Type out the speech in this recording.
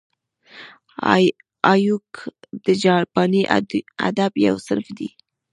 هایکو د جاپاني ادب یو صنف دئ.